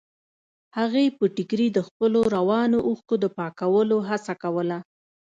هغې په ټيکري د خپلو روانو اوښکو د پاکولو هڅه کوله.